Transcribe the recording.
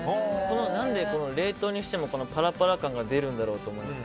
何で冷凍にしてもパラパラ感が出るんだろうと思って。